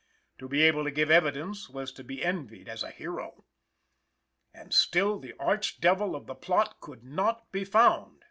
To be able to give evidence was to be envied as a hero. And still the arch devil of the plot could not be found!